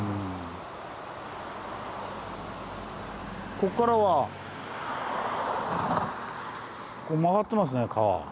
こっからは曲がってますね川。